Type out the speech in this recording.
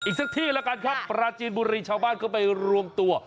สักที่แล้วกันครับปราจีนบุรีชาวบ้านก็ไปรวมตัว